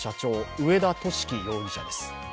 上田敏樹容疑者です。